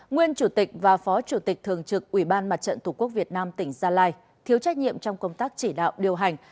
nguyên chủ tịch và phó chủ tịch thường trực ủy ban mặt trận tổ quốc việt nam tỉnh gia lai thiếu trách nhiệm trong công tác chỉ đạo điều hành